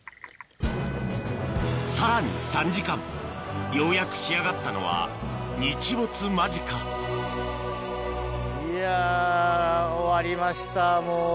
さらに３時間ようやく仕上がったのは日没間近いや終わりましたもう。